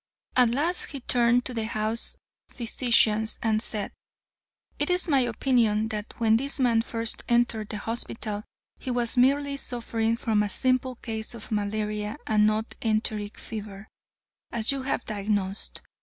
At last he turned to the house physicians and said: "It is my opinion that when this man first entered the hospital he was merely suffering from a simple case of malaria and not enteric fever, as you have diagnosed.